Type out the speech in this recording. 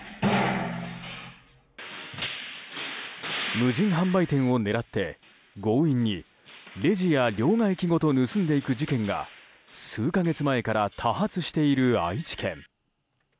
無人販売店を狙って強引にレジや両替機ごと盗んでいく事件が数か月前から多発している愛知県。